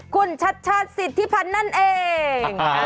คุณชัดชาติสิทธิพันธ์นั่นเอง